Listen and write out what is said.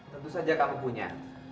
tentu saja kamu punya